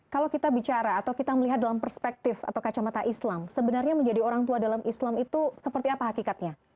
kalau kita bicara atau kita melihat dalam perspektif atau kacamata islam sebenarnya menjadi orang tua dalam islam itu seperti apa hakikatnya